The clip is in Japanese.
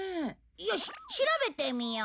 よし調べてみよう。